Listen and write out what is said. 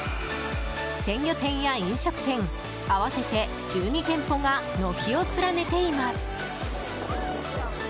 鮮魚店や飲食店合わせて１２店舗が軒を連ねています。